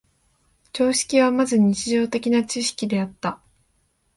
常識はまず日常的な知識であった。